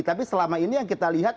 tapi selama ini yang kita lihat